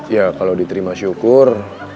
ya kalau diterima syukur